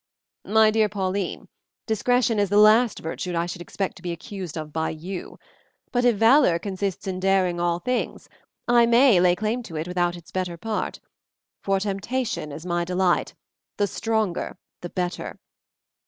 "My dear Pauline, discretion is the last virtue I should expect to be accused of by you; but if valor consists in daring all things, I may lay claim to it without its 'better part,' for temptation is my delight the stronger the better.